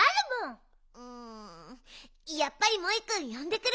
やっぱりモイくんよんでくる！